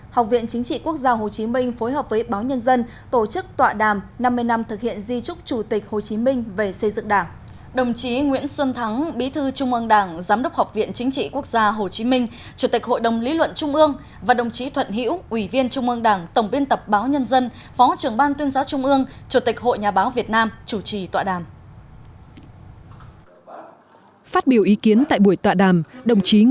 hướng tới kỷ niệm năm mươi năm thực hiện di trúc của chủ tịch hồ chí minh sáng nay tại hà nội học viện chính trị quốc gia hồ chí minh phối hợp với báo nhân dân tổ chức tọa đàm năm mươi năm thực hiện di trúc chủ tịch hồ chí minh về xây dựng đảng